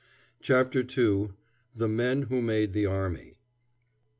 CHAPTER II THE MEN WHO MADE THE ARMY.